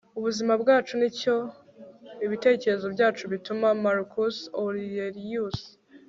ubuzima bwacu nicyo ibitekerezo byacu bituma. - marcus aurelius